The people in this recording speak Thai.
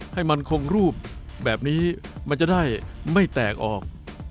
ให้มันคงรูปแบบนี้มันจะได้ไม่แตกออก